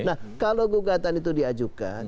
nah kalau gugatan itu diajukan